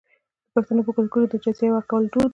د پښتنو په کلتور کې د جهیز ورکول دود دی.